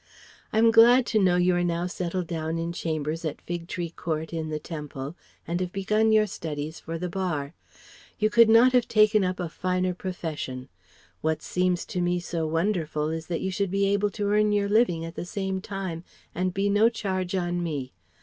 I am glad to know you are now settled down in chambers at Fig Tree Court in the Temple and have begun your studies for the Bar. You could not have taken up a finer profession. What seems to me so wonderful is that you should be able to earn your living at the same time and be no charge on me.